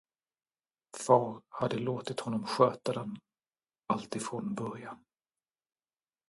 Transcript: Far hade låtit honom sköta den alltifrån början.